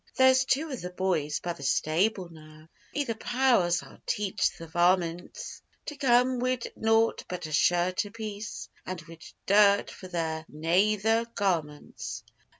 'There's two of the boys by the stable now Be the powers! I'll teach the varmints To come wid nought but a shirt apiece, And wid dirt for their nayther garmints.